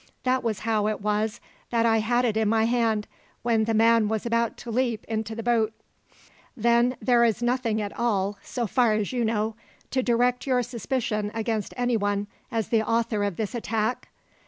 That was how it was that I had it in my hand, when the man was about to leap into the boat." "Then there is nothing at all, so far as you know, to direct your suspicion against anyone as the author of this attack?"